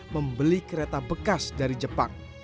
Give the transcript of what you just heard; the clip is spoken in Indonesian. membeli kereta bekas dari jepang